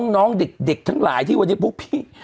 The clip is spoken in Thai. น้องเด็กทั้งหลายที่วันนี้พวกพี่